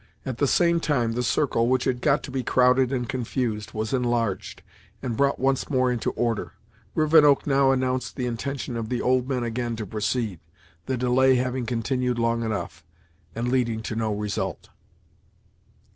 At the same time, the circle, which had got to be crowded and confused, was enlarged, and brought once more into order. Rivenoak now announced the intention of the old men again to proceed, the delay having continued long enough, and leading to no result.